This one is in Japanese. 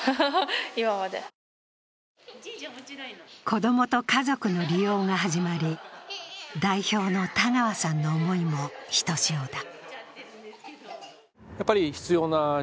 子供と家族の利用が始まり、代表の田川さんの思いもひとしおだ。